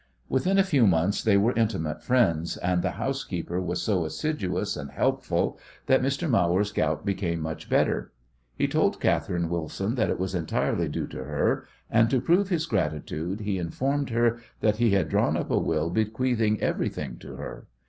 Within a few months they were intimate friends, and the housekeeper was so assiduous and helpful that Mr. Mawer's gout became much better. He told Catherine Wilson that it was entirely due to her, and to prove his gratitude he informed her that he had drawn up a will bequeathing everything to her.